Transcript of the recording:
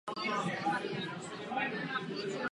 Tato zpráva má klíčový význam při prosazování tohoto cíle.